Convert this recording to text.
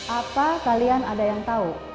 apa kalian ada yang tahu